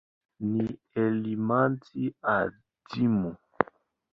Ni elementi adimu.